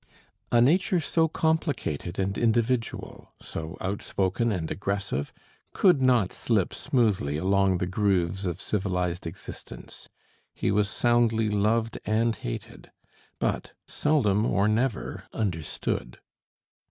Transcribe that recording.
A nature so complicated and individual, so outspoken and aggressive, could not slip smoothly along the grooves of civilized existence; he was soundly loved and hated, but seldom, or never understood.